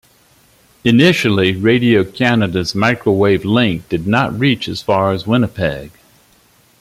Initially, Radio-Canada's microwave link did not reach as far as Winnipeg.